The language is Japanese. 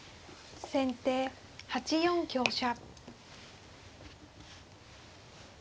先手８四香車。